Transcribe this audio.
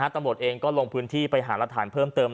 ตำรวจเองก็ลงพื้นที่ไปหารักฐานเพิ่มเติม